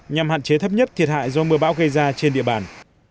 nhằm hạn chế thấp nhất thiệt hại do mưa bão gây ra trên địa bàn